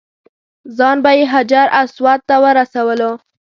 ځان به یې حجر اسود ته ورسولو.